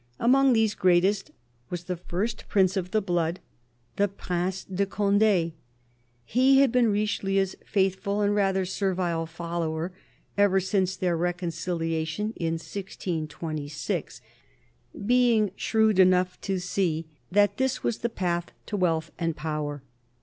Among these " greatest " was the first prince of the blood, the Prince de Conde. He had been Richelieu's faithful and rather servile follower ever since their reconciHation in 1626, being shrewd enough to see that this was the path to wealth and power.